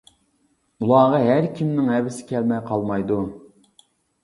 ئۇلارغا ھەر كىمنىڭ ھەۋىسى كەلمەي قالمايدۇ.